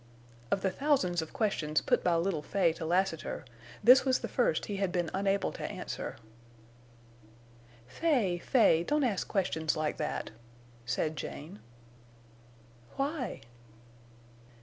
Of the thousands of questions put by little Fay to Lassiter this was the first he had been unable to answer. "Fay—Fay, don't ask questions like that," said Jane. "Why?"